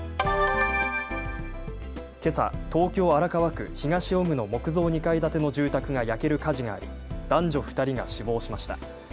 けさ、東京荒川区東尾久の木造２階建ての住宅が焼ける火事があり男女２人が死亡しました。